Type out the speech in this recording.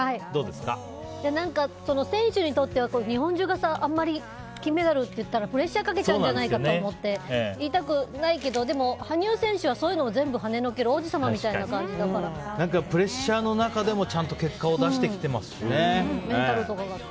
選手にとっては日本中があんまり金メダルって言ったらプレッシャーかけちゃうんじゃないかと思って言いたくないけど、羽生選手はそういうのを全部はねのけるプレッシャーの中でもちゃんと結果を出してきてますしね。